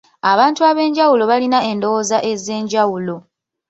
Abantu abenjawulo balina endowooza ezenjawulo.